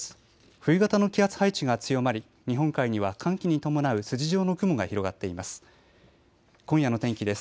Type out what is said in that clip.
冬型の気圧配置が強まり日本海には寒気に伴う筋状の雲が広がっています。